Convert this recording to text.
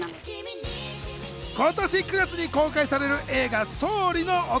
今年９月に公開される映画『総理の夫』。